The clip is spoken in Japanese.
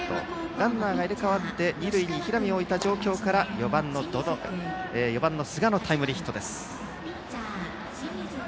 ランナーが入れ替わって二塁に平見を置いた状況から４番の寿賀のタイムリーヒットです。